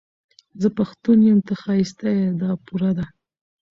زه پښتون يم، ته ښايسته يې، دا پوره ده